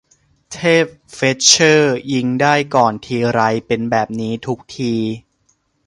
เทพเฟล็ทเชอร์ยิงได้ก่อนทีไร เป็นแบบนี้ทุกที